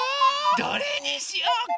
どれにしようか？